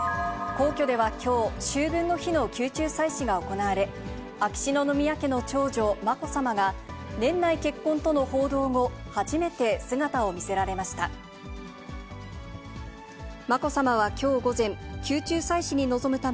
皇居ではきょう、秋分の日の宮中祭祀が行われ、秋篠宮家の長女、まこさまが、年内結婚との報道後、初めて姿を見せられました。